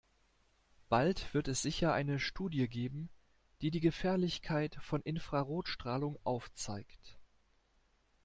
Bald wird es sicher eine Studie geben, die die Gefährlichkeit von Infrarotstrahlung aufzeigt.